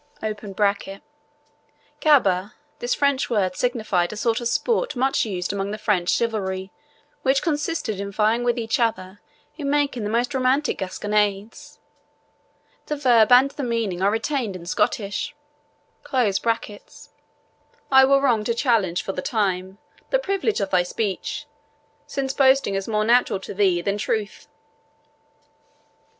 [Gaber. This French word signified a sort of sport much used among the French chivalry, which consisted in vying with each other in making the most romantic gasconades. The verb and the meaning are retained in Scottish.] I were wrong to challenge, for the time, the privilege of thy speech, since boasting is more natural to thee than truth."